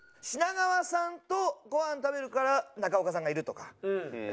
品川さんとご飯食べるから中岡さんがいるとか。